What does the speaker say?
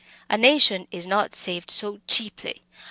A nation is not saved so cheaply!